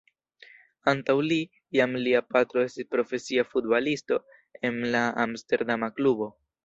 Antaŭ li, jam lia patro estis profesia futbalisto en la amsterdama klubo.